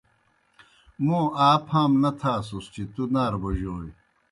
موں آ پھام نہ تھاسُس چہ تُوْ نارہ بوجوئے۔